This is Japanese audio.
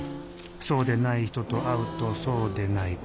そうでない人と会うとそうでない。